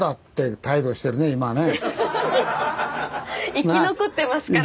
生き残ってますからね。